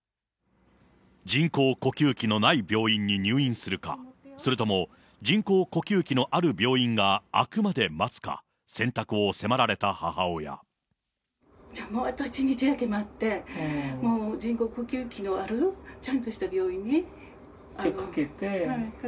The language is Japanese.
人工呼吸器のない病院に入院するか、それとも人工呼吸器のある病院が空くまで待つか、選択を迫られたもう一日だけ待って、もう人工呼吸器のある、ちゃんとした病院に。